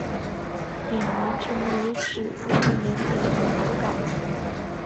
眼完全为脂性眼睑所覆盖。